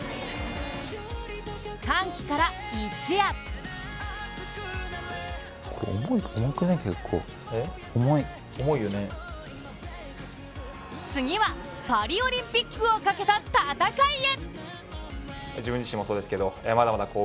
歓喜から一夜次はパリオリンピックをかけた戦いへ！